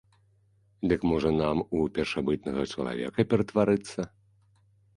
Дык, можа, нам у першабытнага чалавека ператварыцца?